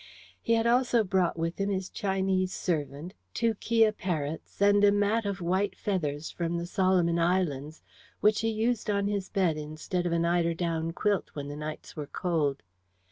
He had also brought with him his Chinese servant, two kea parrots, and a mat of white feathers from the Solomon Islands, which he used on his bed instead of an eiderdown quilt when the nights were cold.